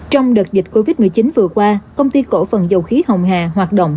trong đợt dịch covid một mươi chín vừa qua công ty cổ phần dầu khí hồng hà hoạt động